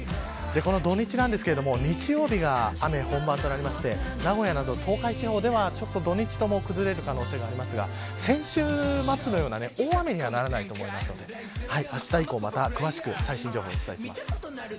土日ですが日曜日が雨本番となりまして名古屋など東海地方では土日とも崩れる可能性がありますが先週末のような大雨にはならないと思いますのであした以降、また詳しく最新情報をお伝えします。